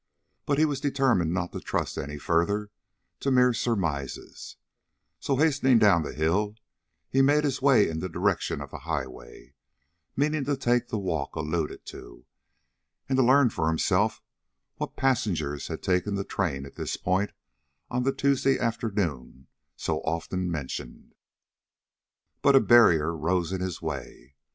But he was determined not to trust any further to mere surmises; so hastening down the hill, he made his way in the direction of the highway, meaning to take the walk alluded to, and learn for himself what passengers had taken the train at this point on the Tuesday afternoon so often mentioned. But a barrier rose in his way.